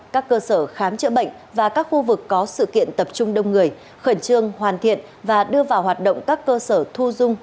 các cơ sở khám chữa bệnh và các khu vực có sự kiện tập trung đông người khẩn trương hoàn thiện và đưa vào hoạt động các cơ sở thu dung